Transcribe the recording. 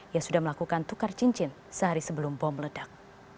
ia sudah melakukan tukar cincin sehari sebelum bom ledak